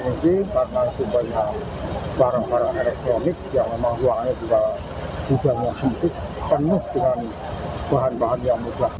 bukan satu mesin karena itu banyak barang barang elektronik yang memang ruangnya juga mudah menyentuh penuh dengan bahan bahan yang mudah